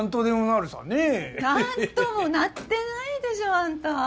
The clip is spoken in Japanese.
なんともなってないでしょあんた。